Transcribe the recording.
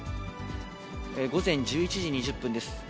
午前１１時２０分です。